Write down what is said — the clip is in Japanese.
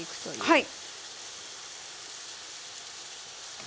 はい。